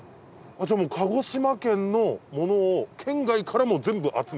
じゃあ鹿児島県のものを県外からも全部集めて？